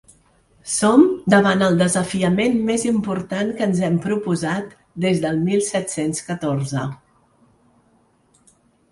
Som davant el desafiament més important que ens hem proposat des del mil set-cents catorze.